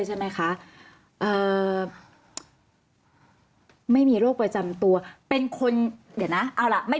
ใช่ไหมคะเอ่อไม่มีโรคประจำตัวเป็นคนเดี๋ยวนะเอาล่ะไม่